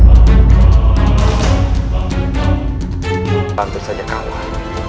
amba baru saja kalah